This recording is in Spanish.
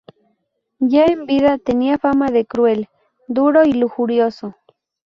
Ya en vida tenía fama de cruel, duro y lujurioso.